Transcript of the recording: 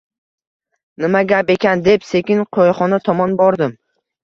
Nima gap ekan, deb sekin qo`yxona tomon bordim